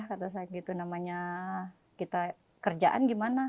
karena saya gitu namanya kita kerjaan gimana